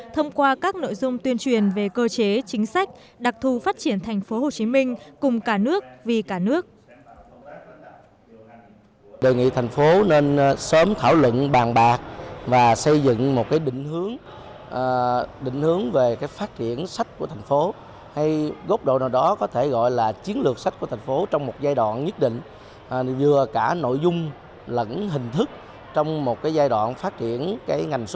thông qua các nội dung tuyên truyền về cơ chế chính sách đặc thù phát triển tp hcm cùng cả nước vì cả nước